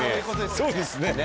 そうですね。